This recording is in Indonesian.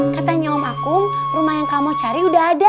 katanya om akum rumah yang kamu cari udah ada